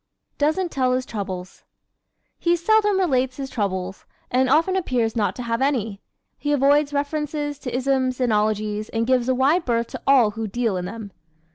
Doesn't Tell His Troubles ¶ He seldom relates his troubles and often appears not to have any. He avoids references to isms and ologies and gives a wide berth to all who deal in them.